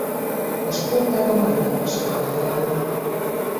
A sportág a mai napig sokat fejlődik.